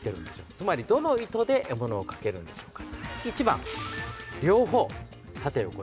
つまり、どの糸で獲物をかけるでしょうか？